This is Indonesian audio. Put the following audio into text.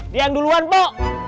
dian duluan mo